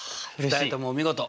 ２人ともお見事！